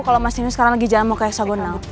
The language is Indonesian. kalo mas nino sekarang lagi jalan mau ke hexagonal